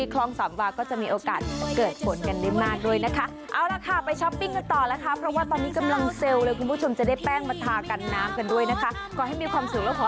ขอบคุณทุกคนค่ะสวัสดีค่ะ